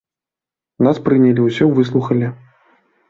Нас прынялі, усё выслухалі.